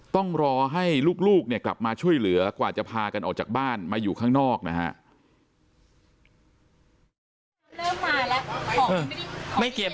ต้องรอให้ลูกเนี่ยกลับมาช่วยเหลือกว่าจะพากันออกจากบ้านมาอยู่ข้างนอกนะฮะ